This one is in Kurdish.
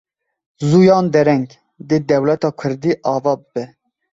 Zû yan dereng dê dewleta Kurdî ava bibe.